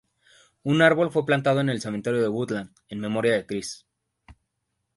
Un árbol fue plantado en el cementerio de Woodland, en memoria de Chris.